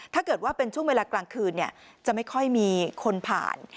ถ้าเกิดว่าเป็นช่วงเวลากลางคืนจะไม่ค่อยมีคนผ่าน